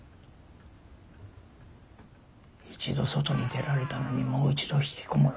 一度外に出られたのにもう一度ひきこもる。